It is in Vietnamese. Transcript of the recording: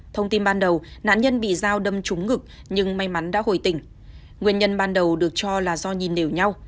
thông tin ban đầu nạn nhân bị dao đâm trúng ngực nhưng may mắn đã hồi tình nguyên nhân ban đầu được cho là do nhìn đều nhau